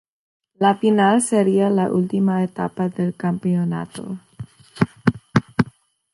La final sería la última etapa del campeonato.